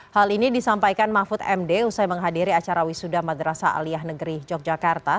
hal ini disampaikan mahfud md usai menghadiri acara wisuda madrasah aliyah negeri yogyakarta